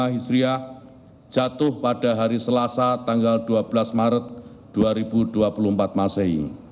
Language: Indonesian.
satu empat ratus empat puluh lima hisriah jatuh pada hari selasa tanggal dua belas maret dua ribu dua puluh empat masei